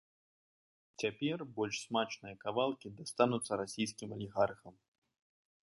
Цяпер больш смачныя кавалкі дастануцца расійскім алігархам.